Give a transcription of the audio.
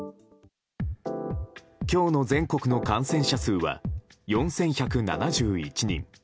今日の全国の感染者数は４１７１人。